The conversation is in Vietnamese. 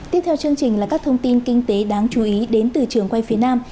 tiếp theo chương trình là các thông tin kinh tế đáng chú ý đến từ trường quay phía nam